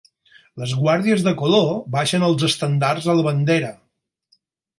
Les guàrdies de color baixen els estendards a la bandera.